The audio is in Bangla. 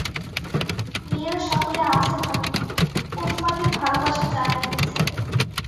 মেয়েরা সকলে আছে ভাল ও তোমাদের ভালবাসা জানাইতেছে।